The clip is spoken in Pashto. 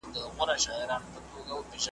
علمي اصول بايد په هر ځای کي يو ډول وي.